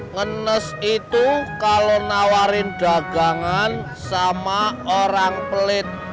ngenes itu kalau nawarin dagangan sama orang pelit